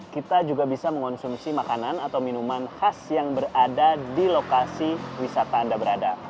kita juga bisa mengonsumsi makanan atau minuman khas yang berada di lokasi wisata anda berada